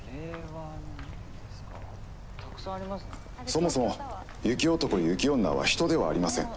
「そもそも雪男雪女は人ではありません。